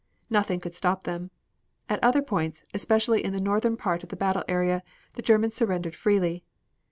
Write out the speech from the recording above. Nothing could stop them. At other points, especially in the northern part of the battle area, the Germans surrendered freely.